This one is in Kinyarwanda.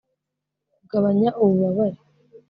kugabanya ububabare